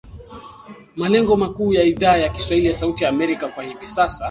Malengo makuu ya Idhaa ya kiswahili ya Sauti ya Amerika kwa hivi sasa